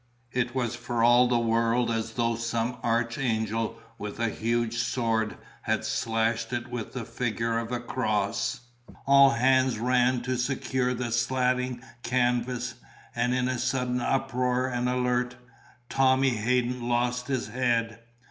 It was for all the world as though some archangel with a huge sword had slashed it with the figure of a cross; all hands ran to secure the slatting canvas; and in the sudden uproar and alert, Tommy Hadden lost his head.